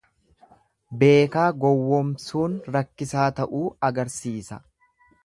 Beekaa gowwomsuun rakkisaa ta'uu agarsiisa.